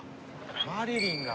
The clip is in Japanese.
マリリンが。